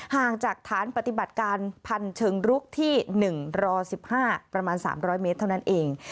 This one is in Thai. ห่างจากฐานปฏิบัติการพันเชิงรุกที่๑ร๑๕ประมาณ๓๐๐เมตรเท่านั้นเอง